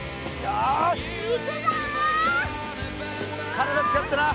体使ってな。